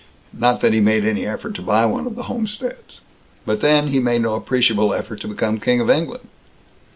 Not that he made any effort to buy one of the homesteads. But then, he made no appreciable effort to become King of England.